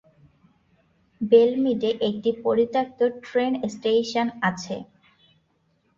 Bell Mead একটি পরিত্যক্ত train station আছে।